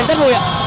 em rất vui ạ